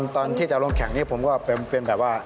ตอนที่จะลงแข่งนี้ผมก็เป็นแบบว่า